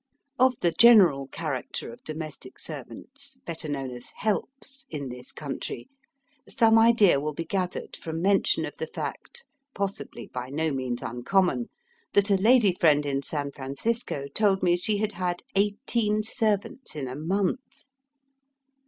Of the general character of domestic servants, better known as *^ helps" in this country, some idea will be gathered from mention o'f the fact, possibly by no means un common, that a lady friend in San Francisco told me she had had eighteen servants in a month.